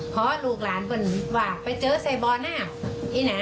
ขอลูกหลานปนผ้าเจอเซบอ่อนี่นา